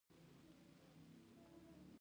تشې خبرې د عمل ځای نشي نیولی.